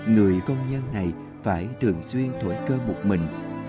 người công nhân này phải thường xuyên thổi cơ một mình